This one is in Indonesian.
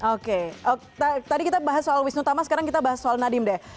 oke tadi kita bahas soal wisnu tama sekarang kita bahas soal nadiem deh